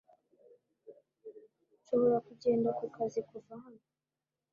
Nshobora kugenda ku kazi kuva hano .